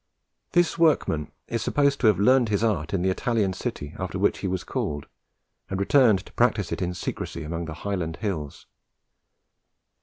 This workman is supposed to have learnt his art in the Italian city after which he was called, and returned to practise it in secrecy among the Highland hills.